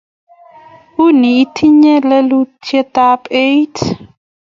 Uni itinye lelutietab eet